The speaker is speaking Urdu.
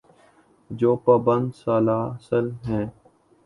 جو پابند سلاسل ہیں۔